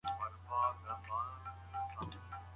پاچا سلطان حسین پاچاهي پرېږده.